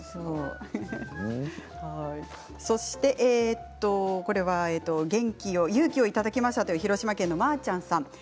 そして勇気をいただきましたという広島県の方です。